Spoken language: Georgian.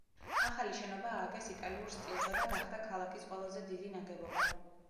ახალი შენობა ააგეს იტალიურ სტილზე და გახდა ქალაქის ყველაზე დიდი ნაგებობა.